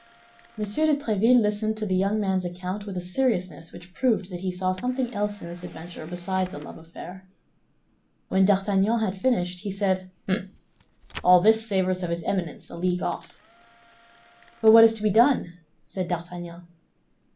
M. de Tréville listened to the young man's account with a seriousness which proved that he saw something else in this adventure besides a love affair. When D'Artagnan had finished, he said, "Hum! All this savors of his Eminence, a league off." "But what is to be done?" said D'Artagnan.